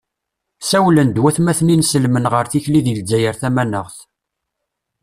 Sawlen-d watmaten inselmen ɣer tikli di lezzayer tamanaɣt.